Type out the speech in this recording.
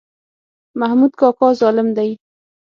محمود کاکا ظالم دی.